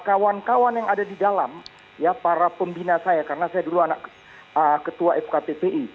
kawan kawan yang ada di dalam ya para pembina saya karena saya dulu anak ketua fkppi